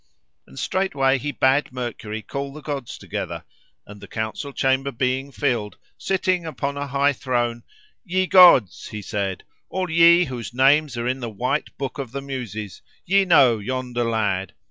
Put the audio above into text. And straightway he bade Mercury call the gods together; and, the council chamber being filled, sitting upon a high throne, "Ye gods," he said, "all ye whose names are in the white book of the Muses, ye know yonder lad.